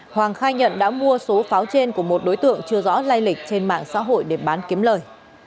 hoàng khai nhận đã mua số pháo trên của một đối tượng chưa rõ lây lịch trên mạng xã hội để bán kiếm lời